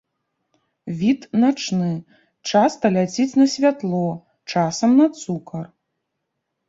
Від начны, часта ляціць на святло, часам на цукар.